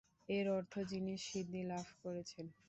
এর অর্থ "যিনি সিদ্ধি লাভ করেছেন।"